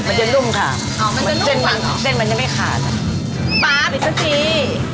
มันจะรุ่นขาดอ๋อจะรุ่นขาดเหรอเส้นแมงจะไม่ขาดอ่ะป๊าปนิดสักที